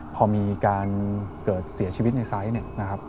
พอมีการเกิดเสียชีวิตในไซซ์